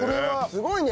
すごいね。